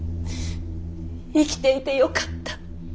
生きていてよかった。